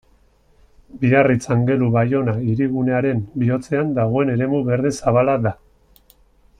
Biarritz-Angelu-Baiona hirigunearen bihotzean dagoen eremu berde zabala da.